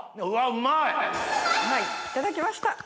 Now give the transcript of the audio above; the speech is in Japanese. うまいいただきました！